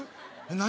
何？